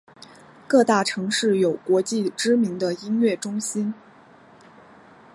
各大城市有国际知名的音乐中心。